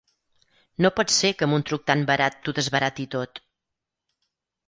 No pot ser que amb un truc tan barat t'ho desbarati tot.